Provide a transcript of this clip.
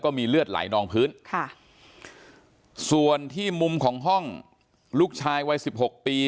มีเลือดไหลนองพื้นค่ะส่วนที่มุมของห้องลูกชายวัยสิบหกปี